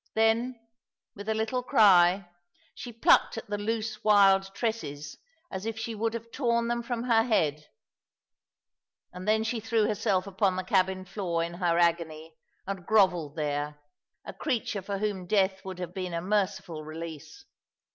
Then, with a little cry, she plucked at the loose wild tresses as if she would have torn them from her head; and then she threw herself upon the cabin floor in her agony, and grovelled there, a creature for whom death would have been a merciful release.